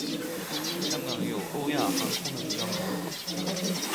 香港有欧亚航空的主要母港。